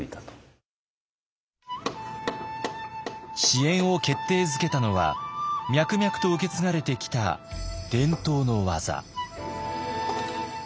支援を決定づけたのは脈々と受け継がれてきた伝統の技。